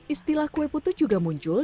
istilah kue putu juga muncul